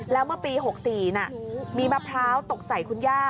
แล้วเมื่อปี๖๔มีมะพร้าวตกใส่คุณย่า